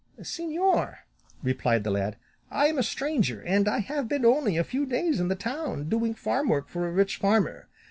"Señor," replied the lad, "I am a stranger, and I have been only a few days in the town, doing farm work for a rich farmer.